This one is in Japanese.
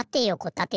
たて。